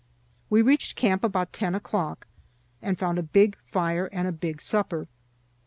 We reached camp about ten o'clock, and found a big fire and a big supper.